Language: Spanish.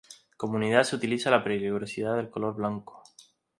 Como unidad se utiliza la peligrosidad del color blanco.